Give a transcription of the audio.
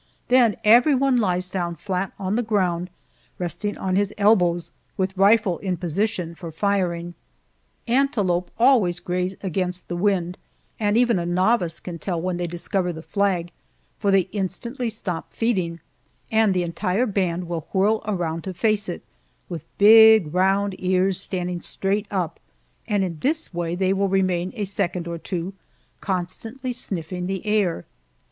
Then everyone lies down flat on the ground, resting on his elbows, with rifle in position for firing. Antelope always graze against the wind, and even a novice can tell when they discover the flag, for they instantly stop feeding, and the entire band will whirl around to face it, with big round ears standing straight up, and in this way they will remain a second or two, constantly sniffing the air.